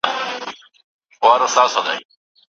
هغه د هېواد پر اقتصاد او تاريخ ليکنې کړې دي.